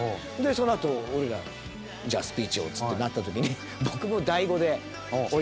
そのあと俺ら「じゃあスピーチを」っつってなった時に。